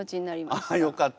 あっよかった。